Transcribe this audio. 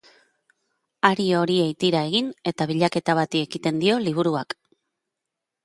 Hari horiei tira egin eta bilaketa bati ekiten dio liburuak.